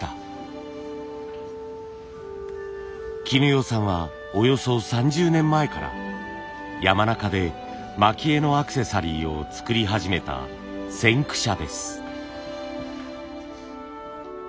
絹代さんはおよそ３０年前から山中で蒔絵のアクセサリーを作り始めた先駆者です。